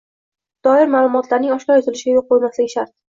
doir ma’lumotlarning oshkor etilishiga yo‘l qo‘ymasligi shart.